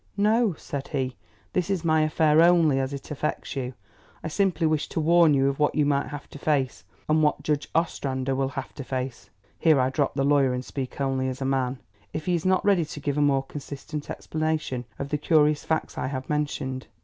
"No," said he, "this is my affair only as it affects you. I simply wished to warn you of what you might have to face; and what Judge Ostrander will have to face (here I drop the lawyer and speak only as a man) if he is not ready to give a more consistent explanation of the curious facts I have mentioned."